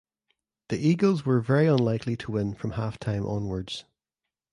The Eagles were very unlikely to win from half time onwards.